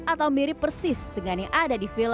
atau mirip persis dengan yang ada di film